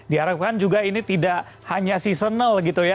diharapkan juga ini tidak hanya seasonal gitu ya